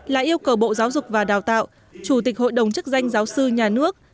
là yêu cầu bộ giáo dục và đào tạo chủ tịch hội đồng chức danh giáo sư nhà nước